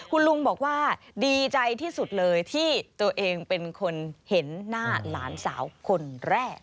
คุณลุงบอกว่าดีใจที่สุดเลยที่ตัวเองเป็นคนเห็นหน้าหลานสาวคนแรก